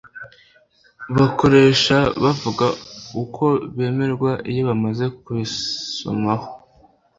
bakoresha bavuga uko bamererwa iyo bamaze kubisomaho